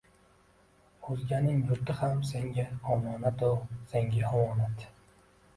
Oʼzganing yurti ham senga omonat-o, senga omonat…